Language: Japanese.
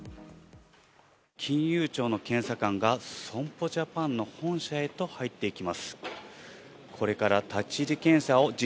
金融庁の検査官が損保ジャパンの本社へと入っていきます。